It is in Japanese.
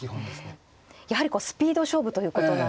やはりこうスピード勝負ということなんですね。